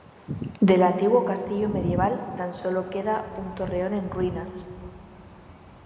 Del antiguo castillo medieval tan sólo queda un torreón en ruinas.